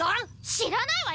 知らないわよ！